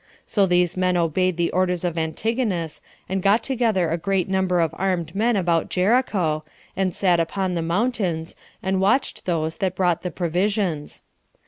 So these men obeyed the orders of Antigonus, and got together a great number of armed men about Jericho, and sat upon the mountains, and watched those that brought the provisions.